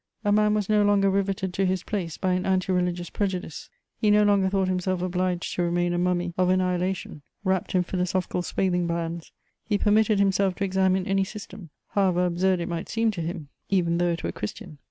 A man was no longer riveted to his place by an anti religious prejudice; he no longer thought himself obliged to remain a mummy of annihilation, wrapped in philosophical swathing bands; he permitted himself to examine any system, however absurd it might seem to him, _even though it were Christian.